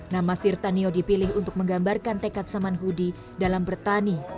nama sirtanio dipilih untuk menggambarkan tekad samanhudi dalam bertani